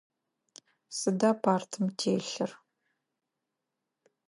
Сыда партым телъыр?